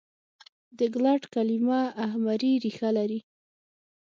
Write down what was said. د ګلټ کلیمه اهمري ریښه لري.